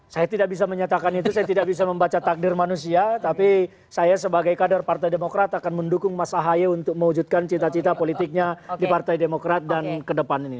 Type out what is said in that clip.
saya tidak bisa menyatakan itu saya tidak bisa membaca takdir manusia tapi saya sebagai kader partai demokrat akan mendukung mas ahaye untuk mewujudkan cita cita politiknya di partai demokrat dan ke depan ini